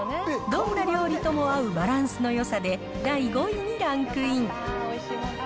どんな料理とも合うバランスのよさで、第５位にランクイン。